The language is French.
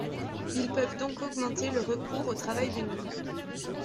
Ils peuvent donc augmenter le recours au travail de nuit.